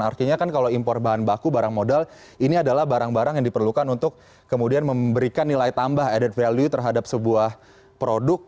artinya kan kalau impor bahan baku barang modal ini adalah barang barang yang diperlukan untuk kemudian memberikan nilai tambah added value terhadap sebuah produk